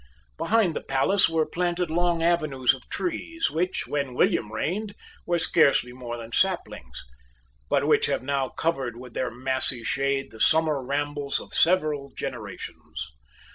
Behind the palace were planted long avenues of trees which, when William reigned, were scarcely more than saplings, but which have now covered with their massy shade the summer rambles of several generations.